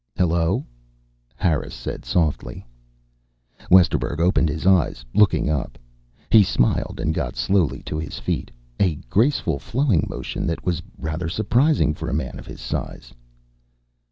"Hello," Harris said softly. Westerburg opened his eyes, looking up. He smiled and got slowly to his feet, a graceful, flowing motion that was rather surprising for a man of his size.